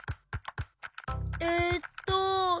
えっと。